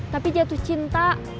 tapi jatuh cinta